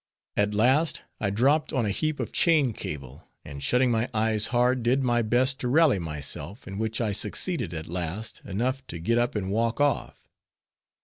At last I dropt on a heap of chain cable, and shutting my eyes hard, did my best to rally myself, in which I succeeded, at last, enough to get up and walk off.